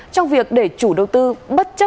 trong việc để chủ đầu tư bất kỳ tài năng